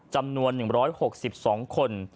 จำนวน๑๖๒คน